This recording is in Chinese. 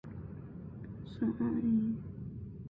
小鼠耳芥是十字花科鼠耳芥属的植物。